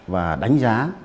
và đánh giá